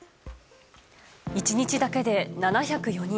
１日だけで７０４人。